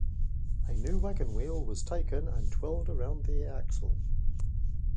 A new wagon wheel was taken and twirled around an axle.